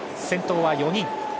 先頭は４人。